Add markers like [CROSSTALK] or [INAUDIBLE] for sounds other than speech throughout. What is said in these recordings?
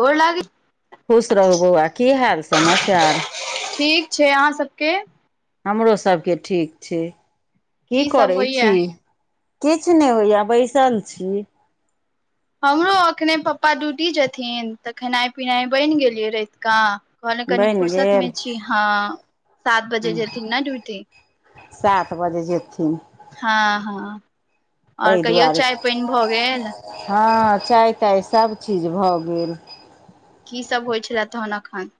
गोर लागइ खुश रहु बौआ की हाल समाचार ठीक छै अहाँ सबके हमरो सबके ठीक छै की सब करै होइया छी किछ नहि होइया बैसल छी हमरो एखने पप्पा ड्यूटी जेथिन तऽ खेनाई-पिनाई बइन गेलियै रैतका कहलियै कनी बनि फुरसत में गेल छी हँ सात बजे जेथिन न ड्यूटी सात बजे जेथिन हाँ-हँ और ताहि कहियौ दुआरे चाय पइन भऽ गेल हँ चाय-ताय सभचीज भऽ गेल की सब होइ छलै तहन अखन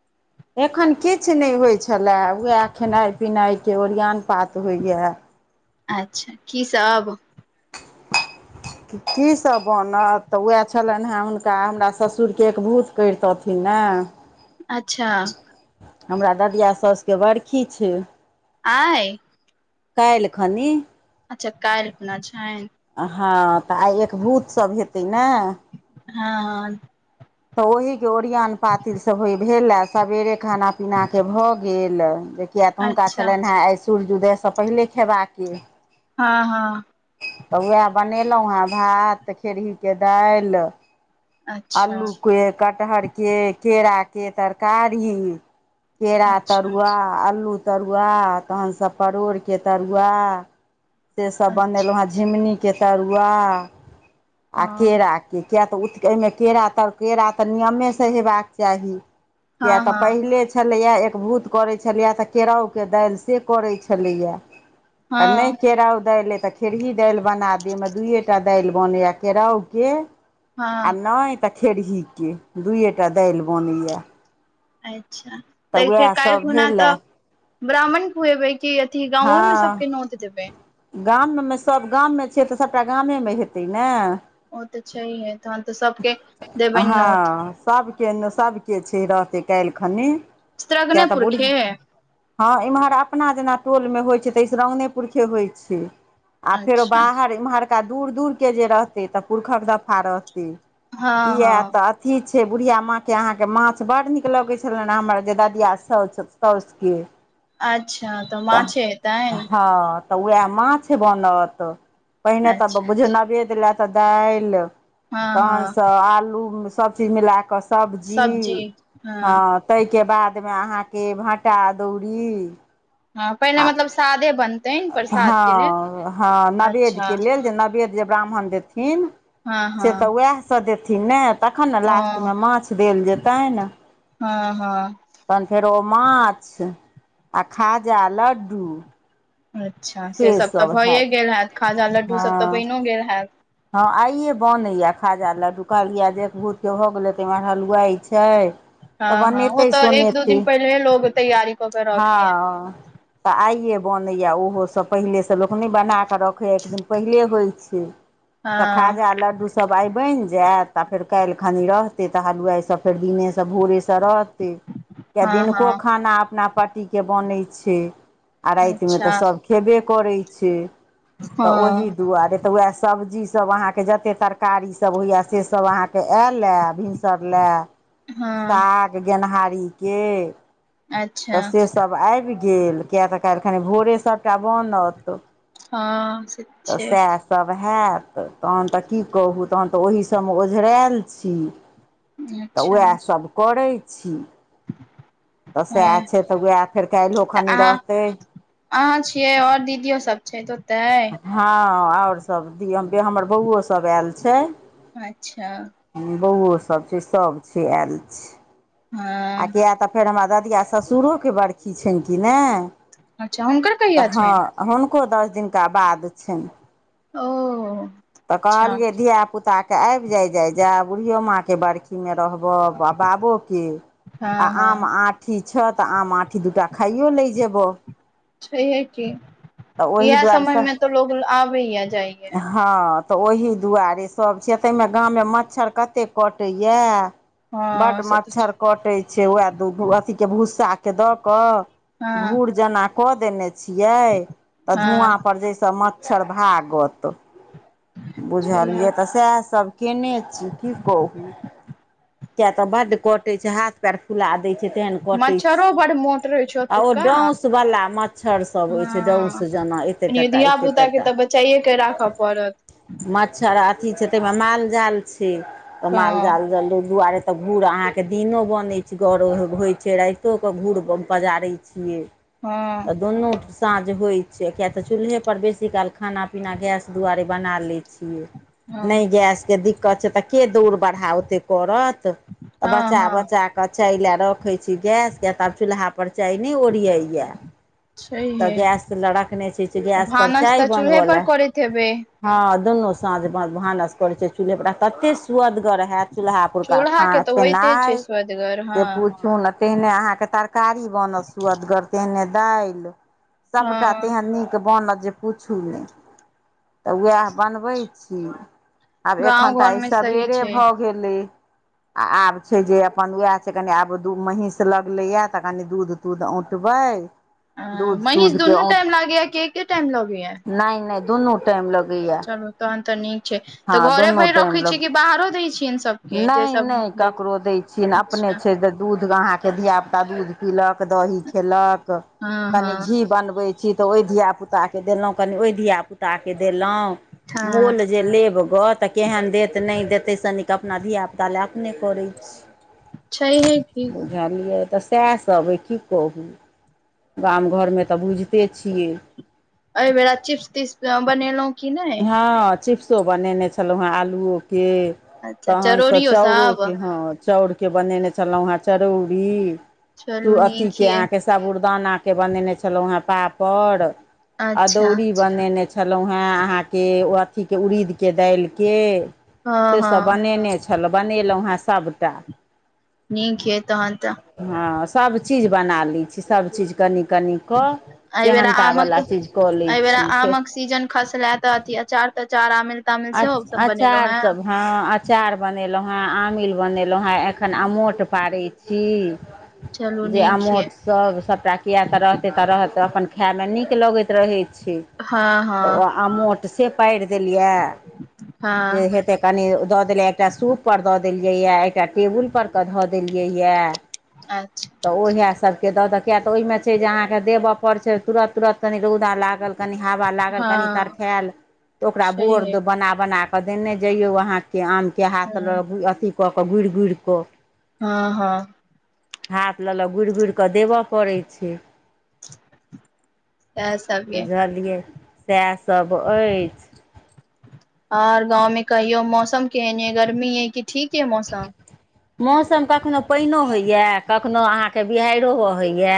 एखन किछ नहि होइ छलै उएह खेनाइ-पिनाइ के ओरिआन पात होइए अच्छा की सब की सब बनत तऽ वएह छलैन हैं हुनका हमरा ससुर के एकभूत करितथिन न [INAUDIBLE] अच्छा हमरा ददिया साउस के बरखी छै आइ कैलखनी अच्छा कैलखुना छनि हँ तऽ आइ एकभूत सभ हेतै ने हाँ-हँ तऽ ओहिके ओरियन पातिल सभ हो भेलए सबेरे खाना पीना के भऽ गेल जे किया तऽ हुनका अच्छा छलैन हैं आइ सूर्ज उदय स पहिले खेबाके हाँ-हँ तऽ उएह बनेलहुँ हैं, भात खेरही के दाइल अच्छा अल्लू के, कटहर के, केरा के तरकारी। केरा अच्छा तरुआ अल्लू तरुआ, तहन सऽ परोड़ के तरुआ, से सब बनेलौ अच्छा हैं। झिमनी के तरुआ, आ हँ केरा कि किया तऽ उत एहिमें केरा त केरा तऽ नियमे सँ हेबाक चाही। किया हँ तऽ हँ पहिले छै छलैया एकभूत करै छलैया, तऽ केराउके दाइल से करै छलैया। नै हँ केराउ दाइल तऽ खेरही दाइल बना दी, एयमें दुइएटा दाइल बनैया केराउके, आ हँ नै तऽ खेरही के, दुइयएटा दाइल बनैया। अच्छा! तऽ फेर कैल उएहसभ खुना भेलए तऽ ब्राह्मण खुएबै की, अथि गांवे में सबके नोत देबै? गाम में सभ गाम में छियै, तऽ सबटा गामे में हेतै ने। ओ तऽ छहियै। हँ सभके न सभके छै, रहतै काइल खनि। किया स्त्रगने तऽ बुढ़ि पुरखे हँ इम्हर अपना जेना टोल में होइ छै, तऽ स्त्रंग्ने-पुरखे होइ छै। आ फेरो अच्छा बाहर एम्हरका दूर दूरके जे रहतै, तऽ पुरखक दफा रहतै। हँ किया हँ तऽ की छै, बुढ़िया माँके अहाँके माछ बड़ नीक लगै छलैन हैं, हमर जे ददिया साउस- साउस के। अच्छा, तऽ माछे हेतैन! हँ। तऽ वैह माछ बनत, पहिने तऽ अच्छा बुझियौ नवेद लै तऽ दाइल हँ हँ तहनसँ आलू सभ चीज मिला कऽ सब्जी हँ तय के बाद में अहाँके भाँटा अदौरी। हँ पहिले मतलब सादे बनतनि प्रसाद के लेल ह-हँ-हॅं नवेद अच्छा के लेल जे नवेद जे ब्राह्मण देथिन, हँ से हँ तऽ वएह सऽ देथिन ने। तखन न लास्ट हँ में माछ देल जेतैन। हँ हँ तहन फेरो माछ, आ खाजा, लड्डू। अच्छा, से सब तऽ भइए गेल हैत, खाजा लड्डू सब तऽ हँ बैनो गेल हैत। हँ आइए बनैया खाजा लड्डू, कहलियै जे एकभूक्त भऽ गेल हेतै, एमहर हलुवाइ छै। तऽ हँ हँ बनेतै ओ तऽ एक दू सुनैते, दिन पहिले लोग तैयारी कऽ के हँ। रखिहे तऽ आइयए बनैए ओहो सभ। पहिले सँ लोक नई बना कऽ रखैए छै। एक दिन पहिले होइत छै। तऽ हँ खाजा लड्डू स सब आइ बनि जायत, आ फेर काल्ह खनि रहते तऽ हलुआइ सब फेर दिने सँ भोरे से तऽ रहते, हँ दिनको हँ खाना अपना पाटी के बनै छै। आ राइत में तऽ अच्छा सभ खेबे करै छे, तऽ ओहि हँ दुआरे तऽ वएह सब्जी तब अहांके जते तरकारी सभ होइए, से सभ अहाँ के आयले भिनसर लए हँ साग गेनहारी के तऽ अच्छा से सभ आइब गेल, किएक तऽ काल्हि खनि भोरे सभटा बनत। हँ। तऽ छै सैह। यब हैत, तहन तऽ की कहू, तहन तऽ ओहि सबमें ओझरायल छी। तऽ अच्छा वैह सभ करै छी। तऽ सए आए हँ छै। तऽ उएह फेर काइल्हो तऽ खनि अहाँ रहतै। अहाँ छियै आओर दीदियो सब छै तो होते। हँ आओर सब छी। हमर बौओ सभ आयल छै। अच्छा बौओ सब छै। सब छै आयल छै। आ हँ किए तऽ फेर हमरा ददिया ससुरो के बरखी छइन कि नै। अच्छा हुनकर कहिया छएँ। आर हुनको दस दिनका बाद छइन। ओ तऽ अच्छा कहलियै धियापुताके आइब जाइ जाइ जाय। बुढ़ियो माँ के बरखी में रहबब। बाबो के। हँ आ आम हँ आट, अठी छतऽ आम आँठी। दू टा खाइयो लै जेबौ। छैहे की। ओहि इएह समय दुआरेसँ में तऽ लोग आबैया जाइय। हँ। तऽ ओहि दुआरे सब छिय। तइमे गाम में मच्छर कतेक कटैया। बड हँ से तऽ मच्छर छै कटै छै। से वए, तो ओ, अथी के भूस्सा के द क, हँ घूर जेना कऽ देने छी। जै तऽ धुआँ हँ पर जहि सँ मच्छर भागत। बुझलियै छैहे तऽ सएह सभ कने छी, की कहू। किया तऽ बड्ड कटे छै। हाथ, हाथ पेर फुला दय छै तेहन कटे मच्छरो छै। बड़ मोट रहै छै आ ओ ओतुका डउस वाला मच्छर। मच्छर सब होय छै। डोस हँ जना एते कनि टाटा धिया एते पुता टा। के तऽ बचाइए के राखऽ पड़त। मच्छर अथी छै तइह मे माल जाल छै। तऽ माल जाल हँ ज दु दुआरे, तऽ घूर अहाँके दिनो बनैत छै गर होइत छै। राइतो कऽ घूर पजारैत छियै। हँ तऽ दुनू साँझ होइत छै। किय तऽ चूल्हे पर बेसी काल खाना पीना। गैस दुआरे, बना लेत छीये। नै हँ गैस के दिक्कत, छै तऽ के दौड़ बढ़ा ओते करत। तऽ हँ बचा हँ बचा के, क चाय लए रखैत छी गैस। के तऽ आब चूल्हा पर चाह नै ओरियैया। तऽ छैहे गैस लड़ रखने छी। गैस पर चाइ बनबो लै होल। खबै हँ दुनू साँझ भ भानस करे छै। चूलहे पर तते, सुअदगर हैत चूल्हा पर का चूल्हा के खान तऽ होइते खेनाइ छै स्वदगर से हँ पूछु नत। तेहने अहाँके तरकारी बनत सुअदगर, तेहने दाइल। सबटा हँ तेहन नीक, के बनत जे पुछू नय तऽ उएह बनबै छी आब एखन गाँव तऽ घर आइ मे सही सबेरे छै भऽ गेलै। आ आब छै जे अपन उएह छै, कनी आब दू महीस लगले या तऽ कनी दूध दूध, औटबैय अ दूध, महीष तूध के दुनू औठ टाइम लागैया कि एके टाइम लगैया नइ - नइ दुनू टाइम लगैया। चलू तहन तऽ नीक छै तऽ घरे भइर रखे छियै कि बाहरो दै छियनि सभ नइ -नइ ककरो दै छियै ने अपने अच्छा छै जे दूध ग अहाँके के धिया, पुता, दूध पीलक दही खेलक हँ कनी हँ घी बनबे तऽ ओइ धिया पूता के देलोऽ कनि ओइ धिया पूता के देलो हँ ऽमोल जे लेब ग तऽ केहन देत नहि देतै सनिक अपना धियापुता लए अपने करै छी। छैहे की बुझलियै तऽ सएह सब अइ की कहू गाम घरमे तऽ बुझिते छियै। एहि बेरा चीप्स-तीप्स हम बनेलहुं। हँ चिप्सो बनेने छलहुँं हेँ आलुओेके। अच्छा तखनसँ चरौड़ियो सब चाउरोके हँ, चाउरकेँ बनेने छलहुँ हेँ चरौरी। तू चलू अथी नीक के यै अहाँके। सबुरदाना के बनेने छलौं हें पापड़, अच्छा अदौड़ी। बनेने छलहुँ हेँ, अहाँके अथीके उड़ीदके दालिके। हँ हँ सेसभ बनेने छलहुँ छलौं, बनेलहुँ हेँ सभटा। निक हे तहन तऽ। हँ सभ-चीज बना लै छी, सभ-चीज कनि-कनि। कऽ एहि बेेरा सेहनता आमक वला चीज कऽ लै एहि बेेरा छी फेर। आमक सीजन खसले तऽ अथी अचार-तचार, आमिल-तामिल सेहो अच सभ बनेलौं अचार हें। सब हँ अँचार बनेलहुँ हँ, आमिल बनेलहुँ हँ, एखन अमोट पाऽरै। छी, चलू जे नीक यै आमोट सब सभटा। किए तऽ रहतै तऽ रहत, अखन खाइ में नीक लगैत रहै छै। हँ हँ तऽ ओ अमोट से पारि देलियै जे हँ हेतै। कनि दऽ देलै, एकटा सूप पर दऽ देलियै यए एकटा टेबुल पर क धऽ देलियै यए। अच्छा। तऽ उएह सबके दऽ द किया तऽ ओहि में छै जे अहाँके देबय पड़ छै तुरत-तुरत कनि रौदा लाग। तहन कनि हवा लागल, कनि हँ तरखेल तऽ ओकरा बोर। छैहे बना-बना कऽ देने जइयौ अहाँके, आमके हाथसँ हँ लऽ अथी कऽ कऽ गुरि-गुरि कऽ। हँ हँ। हाथ लऽ, लऽ गुइर-गुइर कऽ देबय पड़ै छै। सएह सब यै बुझलियै, सएह सब अइछ। ओर गाँंव में कहियओ मौसम केहन यै गर्मी अय की। ठीक यऽ मौसम।। मौसम कखनो पइनो होइए, कखनो अहाँके बिहैरो बहैइए।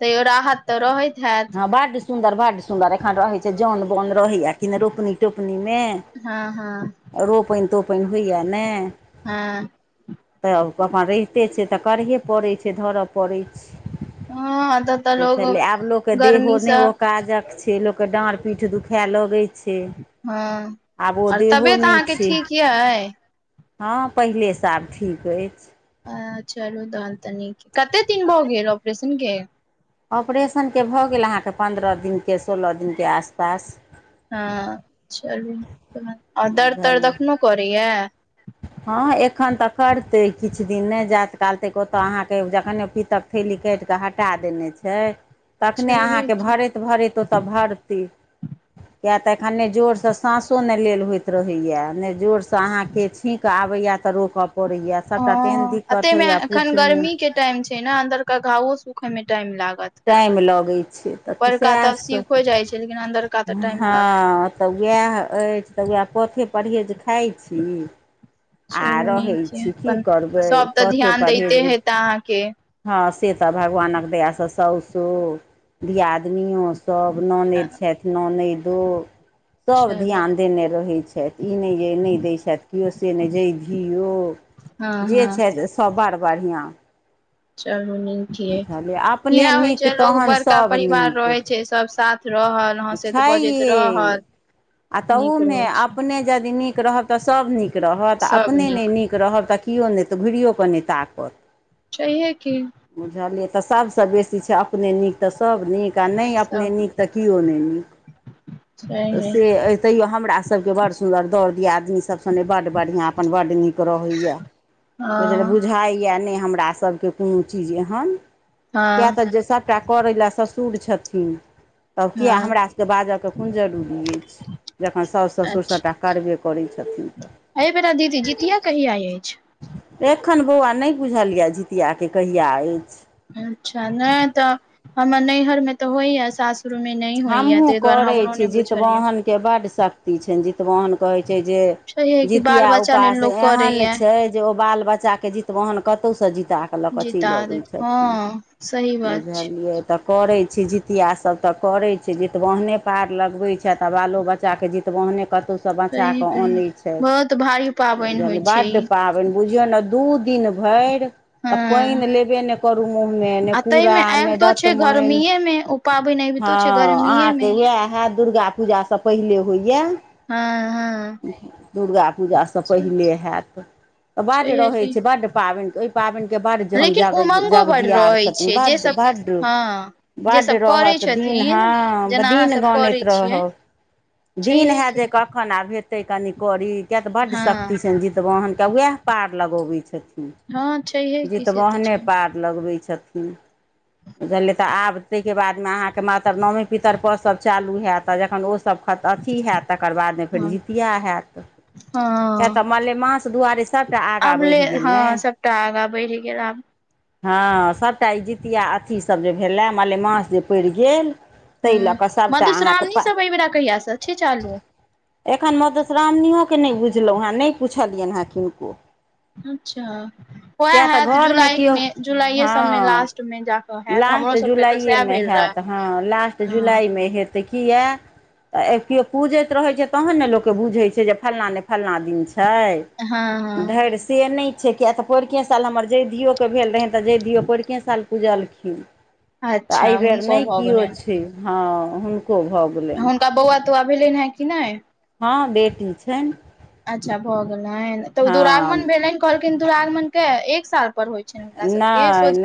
तऽयो राहत तऽ रहैत हैत। हँ बड्ड सुन्दर, बड्ड सुन्दर एखन रहै। से जाऽन-बाऽन रहैय कि ने रोपनी- तोपनी में। हँ हँ रोपैन-तोपैन होइए ने। हँ। तऽ अपन रहिते छै तऽ करहे पड़ै छै धरऽ। पड़ै छैय, हँ एतऽ तऽ लोग बुझलिए आब लोक। के देहो ने गर्मीसँ ओ काजक छै, लोक के डॉर-पीठ दुखाए लगै। छै, हँ आब ओ आओर देहो तबियत नइ अहाँके छै। ठीक यइ हँ पहिलेसँ आब ठीक अइछ। अ चलू तहन त नीक, कत्ते दिन भऽ गेल ऑपरेशन के। ऑपरेशनके भऽ गेल अहाँके पन्द्रह दिनके, सोलह दिनके आसपास। हँ चलू आ दर्द-तर्द बुझलियै अखनो करैय। हँ एखन तऽ करतै किछ दिन ने, जाऽत काल तक ओतऽ अहाँके जखने पीतक। थैली काटि कऽ हटा देने छै। तखने छैहे अहाँकेँ की भरैत-भरैत ओतय भड़तै। किएक तऽ एखन नइ जोरसँ साँसो नइ लेल होइत रहैए, नइ जोरसँ अहाँके। के छीक आबैय तऽ रोकऽ पड़ैय। हँ, अते में एखन गर्मी के टाइम छै ने अन्दर के घावों सुखे में टाइम लागत। टाइम लगै छै, तऽ ऊपरका सैह ठीक सब, हो जाइ छै लेकिन अन्दरका तऽ टाइम लागत हँ। तऽ वैऽह अछि तऽ वैऽह पथे परहेज खाइ छी। आ चलू रहै नीक य छी, की अपन करबै सब पथे ध्यान परहेज दैते बिन तऽ हेता अहाँके हँ से तऽ भगवानक दया स साउसो दियादनियों सब ननैद छथि ननैदो सब चलू ध्यान देने रहै छथि। ई नैय जे नैय दै छथि कियो से नैय जईधिओ। हँ-हँ। छै सब बड बढ़िआँ। चलू नीक यई, बुझलियै अपने यैह होइ नीक छै लोग तहन बड़का सभ परिवार रहै छै। सब साथ रहल। हँसैत बजैत छैहे, रहल आ नीक तहूमे रहै छै अपने जदि नीक रहब तऽ सब नीक रहत, आ अपने नैय नीक रहब तऽ कियो नैय, तऽ घुरियो कऽ नैय ताकत। छैहे की। बुझलियै? तऽ सभसँ बेसी छै, अपने नीक तऽ सब नीक। त नैय अपने नीक, तऽ कियो नैय नीक। तऽ छैहे से अइ तैयो हमरा सबके बड़ सुन्दर, दौड़ दियादनी सब सने बड बढ़िआँ। अपन बड नीक रहै यैऽ, हँ बुजलिय-बुझाइ यैऽ नैय हमरा सबके कुन छी जेहन, कियैऽ हँ तऽ जे सबटा करै लैऽ ससुर छथिन। तब कियैऽ हँ हमरा सबकेँ बाजऽके कुन जरूरी अछि? जखन साउस ससुर सबटा करबे करै छथिन तऽ। अई बेरा दीदी जितिया कहिया अछि? एखन बौआ नहि बुझल यैऽ जितिया के कहिआ अछि। अच्छा, नैय तऽ हमर नैहर मे तऽ होइयाऽ सासू र में नैय होयाऽ, तई दुआरे हमरो नहि बुझल यऽ। के बड शक्ति छैन, जितवाहन कहै छै जे छैहे कि बाल जीतिया बच्चा लेल उपास लोक एहन करैया छै, जे ओ बाल बच्चा के जीतबाहन कतौ स जीता कऽ लकऽ जीता चैल अबै देत छथिन, हँ सही बात छै बुझलियै? तऽ करैत छै, जीतिया सब तऽ करै छै, जितबहने पार लगबै छ कियैऽ तऽ बालो बच्चाके जितबहने कतौ सँ बचा सही की कऽ अनै छथि। बहुत भारी पाबनि बुझल होइ छै बड ई पाबैन, बुझियौ न दू दिन भैर, आ हँ पईन लेबे नैय करू मुँह में, ने आ ताहि कूड़ा, मे ने आबितो छै दतमैन गर्मीए मे ओ पाबनि अबितो छै हँ, गर्मीए मे अहाँके यैह हैत, दुर्गा पूजासँ पहिले होइयाऽ। हँ-हँ। नैह, दुर्गा पूजासँ पहिले हैत। बड छैहे रहै की छै, बड्ड पाबैन के पाबैन के बड्ड लेकिन उमंगो बड ज-हम-जग-जगजियार रहै छथिन, छै जे सब भड्ड-भड्ड हँ जे बड्ड सब करै रहत दि इन छथिन हँ, जेना अहाँ दिन सब गानैत करै छियै रहब, दिन छैहे हैत की जे क खन आब हेतै कनि करी, कियैऽ तऽ बड्ड हँ शक्ति छैन जितबाहन के, वैह पार लगऽबै छथिन। हँ छैहे हु, की से तऽ जितबहने छै पार लगबै छथिन, बुझलियै त आब तैइ के बाद में अहाँ क त मातर नॉमी पितरपस सब चालू हैत, आ जखन ओ स सब खत-अथी हैत, तकर बाद में फेर हँ जितिया हैत। कियैऽ तऽ हँ मलेमास दुआरे सबटा आगा बढ़ि गेल ने। अगा बेढब गेल आब हाँ सँभटा ई जितिया अथीसँभ जे भेले मलेमास जे पड़ि गेल ह ते लऽके सँभटा अहाँके मधुश्रावणी प सब एहि बेेरा कहिया स छै चालू एखन मधुश्रामणीयो के नहि बुझलहुँ हेँ नइ पुछलियनि हेँ किनको अच्छा उएह किएक तऽ हैत जुला घरमे केओ मे जुलाइए सँभमे हँ लास्टमे जा लास्ट जुलाइएमे हैत हाँ लास्ट हँ जुलाइ मे हेत तऽ किये यए तऽ केओ पूजैत रहैत छैय तहन ने लोकके बुझैत छैय जे फलना नै फलना दिन छैय, हँ हँ धइर से नइ छैय किएक तऽ पररुके साल हमर जयधियओ के भेल रहनि तऽ जयधिओ पररुकेे साल पुजलखिन तऽ अच्छा एहिबेर हुनको नहि भऽ किओ गेलनि छै, हाँ हुनको भऽ गेल? हुनका बौआ, तौआ भेलनि हेँ कि नइ, हाँ बेटी छइन। अच्छा भऽ गेलइन तऽ ओ हँ दुरागमन भेलइन कहलखिन दुरागमन के एक साल पर होइ छैय हुनका सबके नहि सोझे-